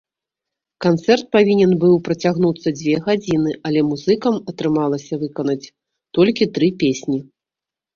Канцэрт павінен быў працягнуцца дзве гадзіны, але музыкам атрымалася выканаць толькі тры песні.